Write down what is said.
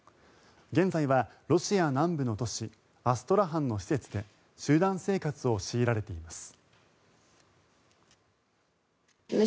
現在はロシア南部の都市アストラハンの施設で集団生活を強いられています。